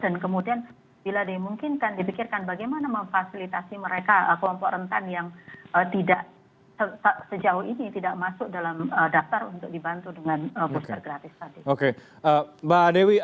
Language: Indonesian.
dan kemudian bila dimungkinkan dipikirkan bagaimana memfasilitasi mereka kelompok rentan yang tidak sejauh ini tidak masuk dalam daftar untuk dibantu dengan booster gratis tadi